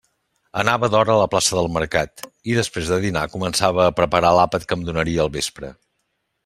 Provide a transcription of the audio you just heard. Anava d'hora a la plaça del mercat, i després de dinar començava a preparar l'àpat que em donaria al vespre.